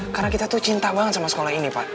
karena kita tuh cinta banget sama sekolah ini pak